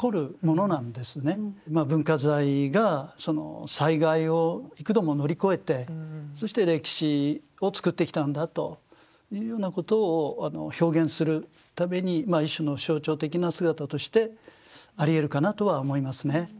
文化財がその災害を幾度も乗り越えてそして歴史をつくってきたんだというようなことを表現するために一種の象徴的な姿としてありえるかなとは思いますね。